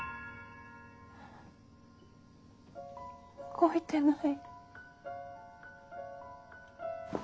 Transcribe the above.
動いてない。